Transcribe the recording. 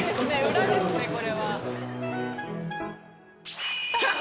裏ですねこれは。